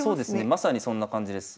まさにそんな感じです。